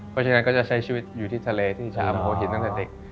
เพราะฉะนั้นก็จะใช้ชีวิตอยู่ที่ทะเลที่ชาวหัวหินตั้งแต่เด็ก